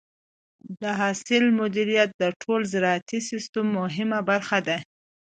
د حاصل مدیریت د ټول زراعتي سیستم مهمه برخه ده.